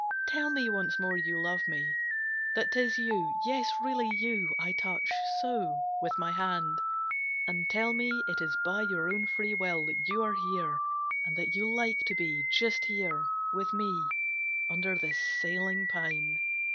Tell me once more you love me, that 't is you Yes, really you, I touch, so, with my hand; And tell me it is by your own free will That you are here, and that you like to be Just here, with me, under this sailing pine.